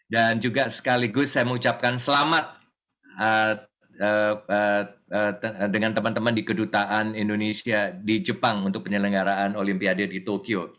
dan juga sekaligus saya mengucapkan selamat dengan teman teman di kedutaan indonesia di jepang untuk penyelenggaraan olimpiade di tokyo